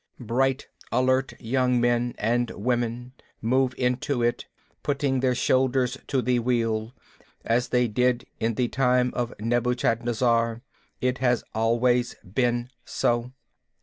Bright, alert young men and women move into it, putting their shoulders to the wheel as they did in the time of Nebuchadnezzar. It has always been so.